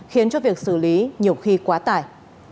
khiến cho việc xử lý nhiều khi quá tải